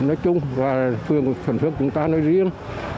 nói chung phương thuận phước chúng ta nói riêng